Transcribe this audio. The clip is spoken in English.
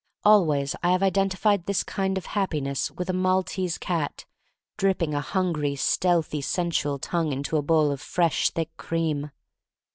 Always I have identified this kind of happiness with a Maltese cat, dipping a hungry, stealthy, sensual tongue into a bowl of fresh, thick cream.